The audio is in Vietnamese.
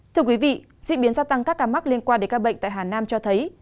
thưa quý vị diễn biến gia tăng các ca mắc liên quan đến các bệnh tại hà nam cho thấy